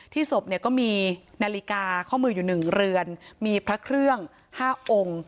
ศพเนี่ยก็มีนาฬิกาข้อมืออยู่๑เรือนมีพระเครื่อง๕องค์